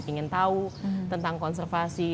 tingin tahu tentang konservasi